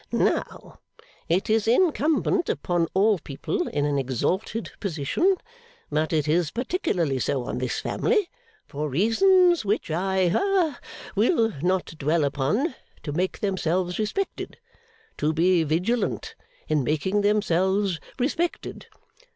Now, it is incumbent upon all people in an exalted position, but it is particularly so on this family, for reasons which I ha will not dwell upon, to make themselves respected. To be vigilant in making themselves respected.